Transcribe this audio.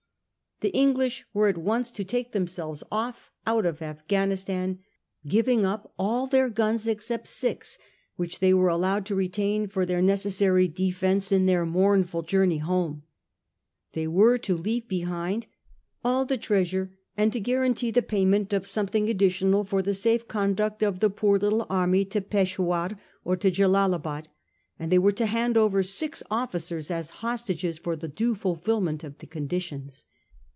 Tlie English, were at once to take them selves off out of Afghanistan, giving up all their guns except six, which they were allowed to retain for their necessary defence in their mournful journey home ; they were to leave behind all the treasure, and to guarantee the payment of something addi tional for the safe conduct of the poor little army to Peshawur or to Jellalabad; and they were to hand over six officers as hostages for the due fulfilment of the conditions.